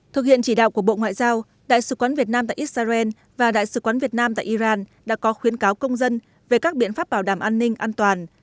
thực hiện chỉ đạo của bộ ngoại giao đại sứ quán việt nam tại israel và đại sứ quán việt nam tại iran đã có khuyến cáo công dân về các biện pháp bảo đảm an ninh an toàn